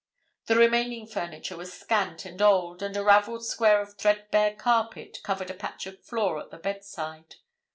The remaining furniture was scant and old, and a ravelled square of threadbare carpet covered a patch of floor at the bedside.